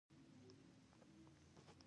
مفصله توضیح ټولنپېژندونکو ته پرېږدي